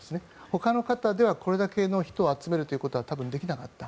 ほかの方ではこれだけの人を集めるということは多分できなかった。